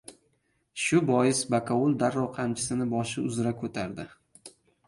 Shu bois bakovul darrov qamchisini boshi uzra ko‘tardi: